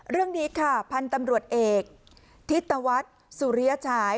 เรื่องนี้ค่ะพันธวรรษเอกธิตุวัสสุเรียชาย